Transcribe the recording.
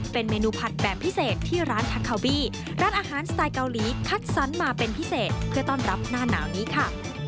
เป็นเมนูผัดแบบพิเศษที่ร้านคาบี้ร้านอาหารสไตล์เกาหลีคัดสรรมาเป็นพิเศษเพื่อต้อนรับหน้าหนาวนี้ค่ะ